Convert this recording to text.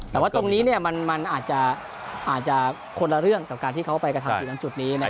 แต่ว่าตรงนี้มันอาจจะคนละเรื่องกับการที่เขาไปกระทำอยู่ตรงจุดนี้